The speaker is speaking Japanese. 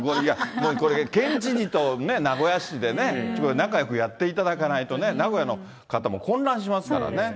もうこれ、県知事とね、名古屋市でね、仲よくやっていただかないとね、名古屋の方も混乱しますからね。